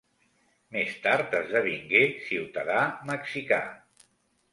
Més tard esdevingué ciutadà mexicà.